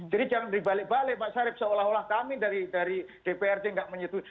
jadi jangan dibalik balik pak syarif seolah olah kami dari dprd gak menyetujui